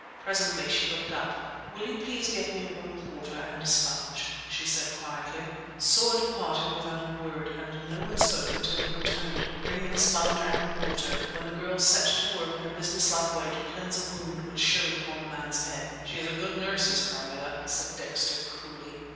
Presently she looked up. "Will you please get me a bowl of water and a sponge?" she said quietly. Soar departed without a word, and no one spoke until he returned, bringing the sponge and the water, when the girl set to work in a businesslike way to cleanse a wound which showed upon the man's head. "She's a good nurse is Carneta," said Dexter coolly.